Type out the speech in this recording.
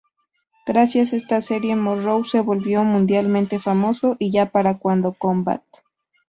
Gracias a esta serie Morrow se volvió mundialmente famoso y ya para cuando "Combat!